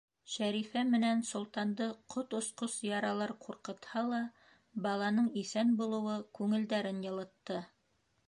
Шәрифә менән Солтанды ҡот осҡос яралар ҡурҡытһа ла, баланың иҫән булыуы күңелдәрен йылытты.